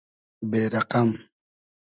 بې رئقئم